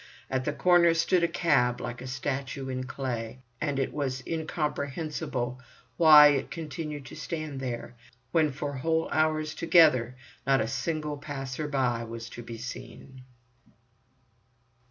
At the corner stood a cab like a statue in clay, and it was incomprehensible why it continued to stand there, when for whole hours together not a single passer by was to be seen.